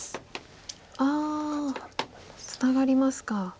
ああツナがりますか。